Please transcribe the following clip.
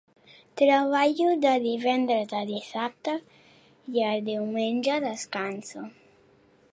Treballo de divendres a dissabte, i el diumenge descanso.